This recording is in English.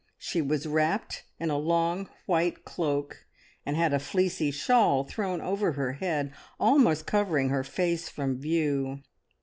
She was wrapped up in a long white cloak, and had a fleecy shawl thrown over her head, almost covering her face from view.